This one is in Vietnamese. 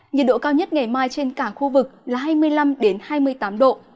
nhiệt độ cao nhất ngày mai trên cả khu vực là hai mươi năm hai mươi tám độ